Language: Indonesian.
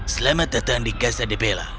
selamat datang di kasa debela